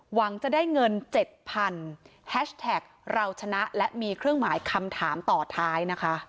หวังจะได้เงินเจ็ดพันแฮชแท็กเราชนะและมีเครื่องหมายคำถามต่อท้ายนะคะ